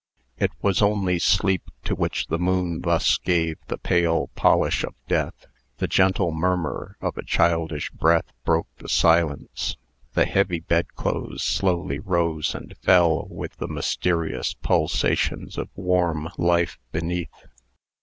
It was only sleep to which the moon thus gave the pale polish of death. The gentle murmur of a childish breath broke the silence. The heavy bedclothes slowly rose and fell with the mysterious pulsations of warm life beneath.